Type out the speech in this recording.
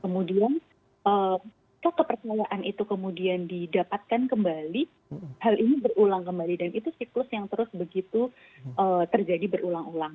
kemudian kalau kepercayaan itu kemudian didapatkan kembali hal ini berulang kembali dan itu siklus yang terus begitu terjadi berulang ulang